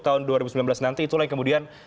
tahun dua ribu sembilan belas nanti itulah yang kemudian